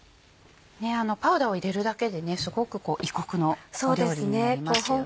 パウダーを入れるだけですごく異国の料理になりますよね。